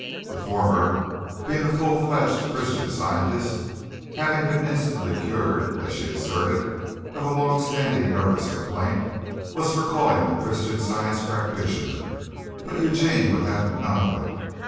The former, being a full fledged Christian Scientist, having been instantly cured, as she asserted, of a long standing nervous complaint, was for calling a Christian Science practitioner, but Eugene would have none of it.